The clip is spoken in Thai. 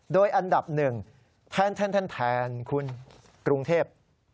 โดยอันดับหนึ่งแทนคุณกรุงเทพ